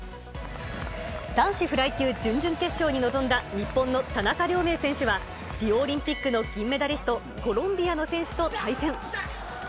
男子フライ級準々決勝に臨んだ日本の田中亮明選手は、リオオリンピックの銀メダリスト、コロンビアの選手と対戦。